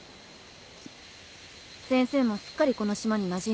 先生もすっかりこの島になじんできたわね。